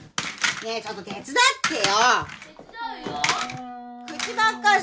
ねえ手伝ってよ！